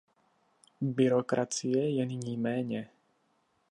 Byrokracie je nyní méně.